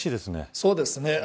そうですね。